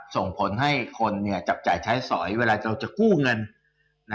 ส่งผลให้คนจับจ่ายใช้สอยเวลาเราจะกู้เงิน